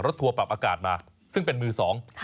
ทัวร์ปรับอากาศมาซึ่งเป็นมือสอง